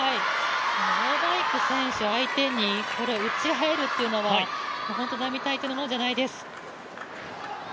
王曼イク選手相手に、打ち入るというのは並大抵のものではないです。